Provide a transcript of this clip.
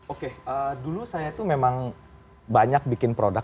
oke dulu saya itu memang banyak bikin produk